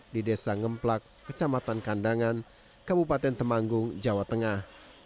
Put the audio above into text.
di desa ngemplak kecamatan kandangan kabupaten temanggung jawa tengah